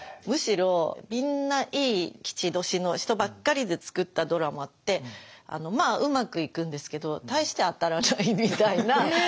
むしろみんないい吉年の人ばっかりで作ったドラマってまあうまくいくんですけど大して当たらないみたいな。